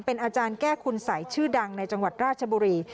เป็นอาจารย์แก้คุณสัยชื่อดังในจังหวัดราชบุรี